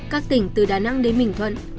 các tỉnh từ đà nẵng đến bình thuận